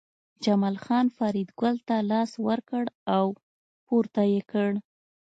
جمال خان فریدګل ته لاس ورکړ او پورته یې کړ